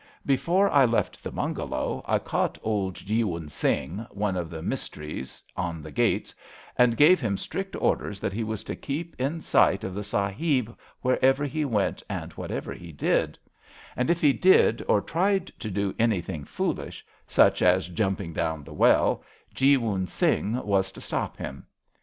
'* Before I left the bungalow I caught old Jee wun Singh, one of the mistries on the gates, and gave him strict orders that he was to keep in sight of the Sahib wherever he went and whatever HIS BROTHER'S KEEPER 123 he did; and if he did or tried to do anything fool ish, such as jumping down the well, Jeewun Singh was to stop him.